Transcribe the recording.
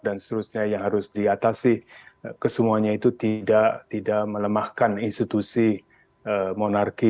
dan seterusnya yang harus diatasi ke semuanya itu tidak melemahkan institusi monarki